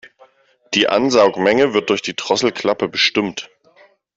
Die Ansaugmenge wird durch die Drosselklappe bestimmt.